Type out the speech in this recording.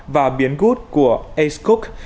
và miến gút của acecook